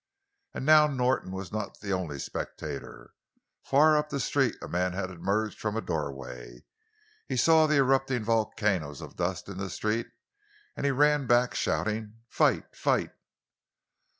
And now Norton was not the only spectator. Far up the street a man had emerged from a doorway. He saw the erupting volcanoes of dust in the street, and he ran back, shouting, "Fight! Fight!"